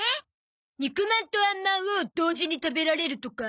肉まんとあんまんを同時に食べられるとか？